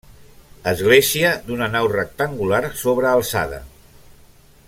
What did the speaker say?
Església d'una nau rectangular sobrealçada.